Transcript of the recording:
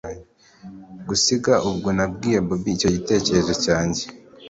gusiga! ubwo nabwiye bobi icyo gitekerezo cyanjye